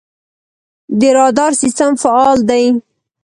د رادار سیستم فعال دی؟